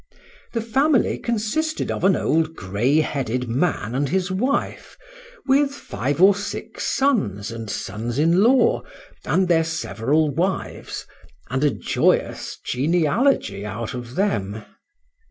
The family consisted of an old grey headed man and his wife, with five or six sons and sons in law, and their several wives, and a joyous genealogy out of them.